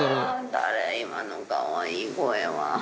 誰、今のかわいい声は。